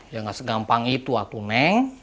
ya gak segampang itu ah tu neng